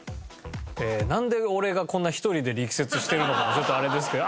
なんで俺がこんな１人で力説してるのかがちょっとあれですけど。